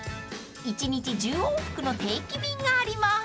［１日１０往復の定期便があります］